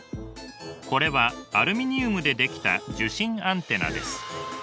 これはアルミニウムでできた受信アンテナです。